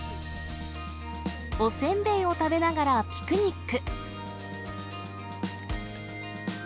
おせんべいを食べながらピクニック。